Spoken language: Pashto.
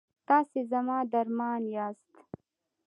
تاسې زما درمان یاست؟